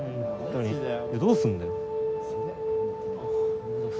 どうすんだよ。